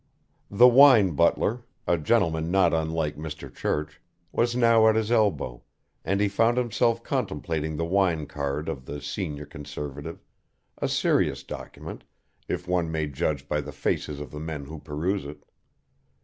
The wine butler, a gentleman not unlike Mr. Church, was now at his elbow, and he found himself contemplating the wine card of the Senior Conservative, a serious document, if one may judge by the faces of the men who peruse it.